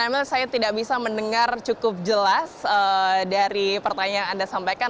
ya lady dan amel saya tidak bisa mendengar cukup jelas dari pertanyaan anda sampaikan